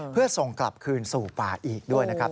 เพื่อส่งกลับคืนสู่ป่าอีกด้วยนะครับ